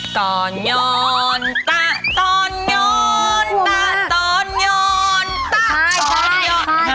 ก่อนย้อนตะตอนย้อนตะตอนย้อนตะขอย้อน